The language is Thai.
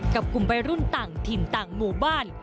กับกลุ่มวัยรุ่นต่างถิ่นต่างหมู่บ้าน